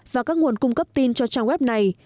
và các nguồn cung cấp tin cho trang web này